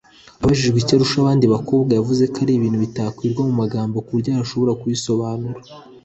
Abajijwe icyo arusha abandi bakobwa yavuze ko ari ibintu ‘bitakwirwa mu magambo’ kuburyo yashobora kubisobanura